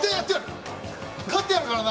勝ってやるからな！